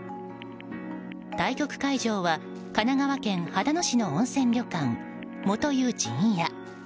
対局会場は神奈川県秦野市の温泉旅館元湯陣屋。